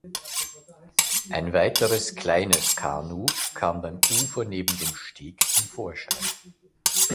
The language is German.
Ein weiteres kleines Kanu kam beim Ufer neben dem Steg zum Vorschein.